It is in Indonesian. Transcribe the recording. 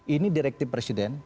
ini direktif presiden